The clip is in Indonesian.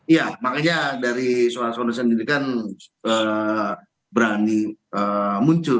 ya makanya dari suharsono sendiri kan berani muncul